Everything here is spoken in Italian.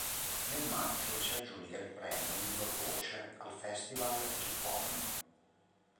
Nel maggio si aggiudica il premio "Miglior voce" al festival Keep On.